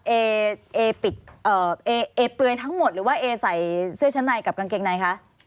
เอปิดเอเปลือยทั้งหมดหรือว่าเอใส่เสื้อชั้นในกับกางเกงในคะ